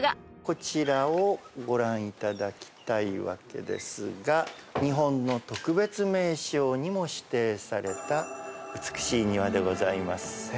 こちらをご覧いただきたいわけですが日本の特別名勝にも指定された美しい庭でございます。